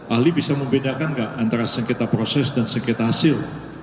ahli bisa membedakan nggak antara sengketa proses dan sengketa hasil